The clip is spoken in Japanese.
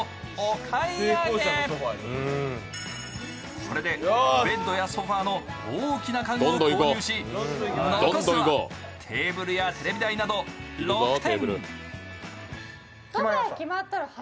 これでベッドやソファーの大きな家具は購入し、残すはテーブルやテレビ台など６点。